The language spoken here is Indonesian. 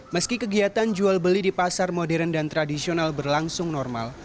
meski kegiatan jual beli di pasar modern dan tradisional berlangsung normal